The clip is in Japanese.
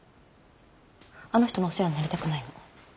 あの人のお世話になりたくないの。